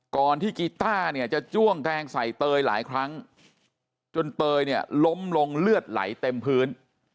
ก่อนที่กีต้าจะจ้วงแกล้งใส่เตยหลายครั้งจนเตยร้มลงเลือดไหลเต็มพื้น